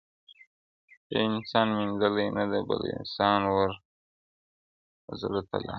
• یو انسان میندلې نه ده بل انسان و زړه ته لاره,